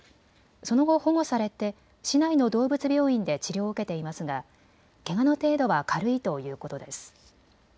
その後、保護されて市内の動物病院で治療を受けていますがけがの程度は軽いということです。